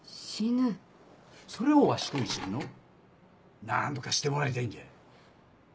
それをわしと一緒にの何とかしてもらいたいんじゃ。